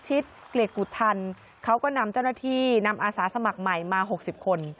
หัวหน้าหน่วยก็คือพิธิศเกรกฐานเขาก็นำเจ้าหน้าที่นำอาสาสมัครใหม่มาหกสิบคน